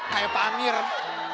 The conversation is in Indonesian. kayak pak amiran